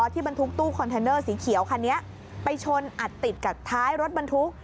ที่บรรทุกตู้คอนเทนเนอร์สีเขียวคันนี้ไปชนอัดติดกับท้ายรถบรรทุก